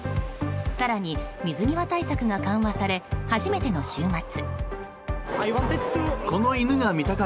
更に水際対策が緩和され初めての週末。